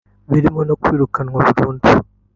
birimo no kwirukanwa burundu